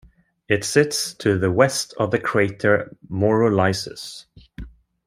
It sits to the west of the crater Maurolycus.